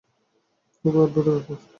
খুবই অদ্ভুত ব্যাপার।